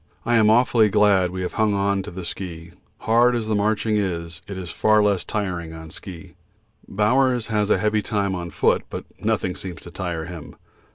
I am awfully glad we have hung on to the ski; hard as the marching is, it is far less tiring on ski. Bowers has a heavy time on foot, but nothing seems to tire him.